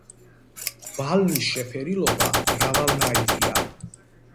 ბალნის შეფერილობა მრავალნაირია.